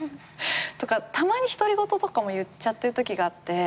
たまに独り言とかも言っちゃってるときがあって。